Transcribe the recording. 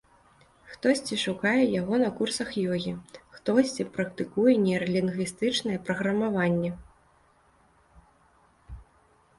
Хтосьці шукае яго на курсах ёгі, хтосьці практыкуе нейралінгвістычнае праграмаванне.